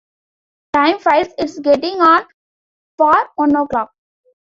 Time flies; it's getting on for one o'clock.